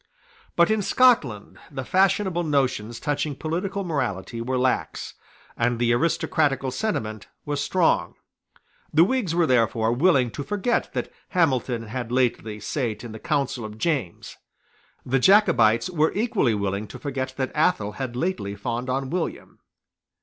But in Scotland the fashionable notions touching political morality were lax; and the aristocratical sentiment was strong. The Whigs were therefore willing to forget that Hamilton had lately sate in the council of James. The Jacobites were equally willing to forget that Athol had lately fawned on William.